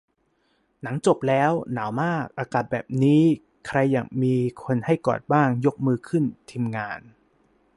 หนังจบแล้ว หนาวมาก อากาศแบบนี้ ใครอยากมีคนให้กอดบ้าง ยกมือขึ้น ทีมงาน